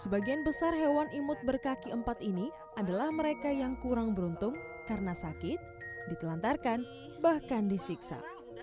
sebagian besar hewan imut berkaki empat ini adalah mereka yang kurang beruntung karena sakit ditelantarkan bahkan disiksa